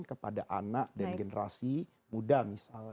kepada anak dan generasi muda misalnya